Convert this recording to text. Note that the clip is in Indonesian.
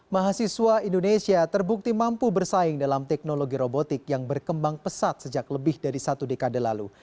mahasiswa indonesia terbukti mampu bersaing dalam teknologi robotik yang berkembang pesat sejak lebih dari satu dekade lalu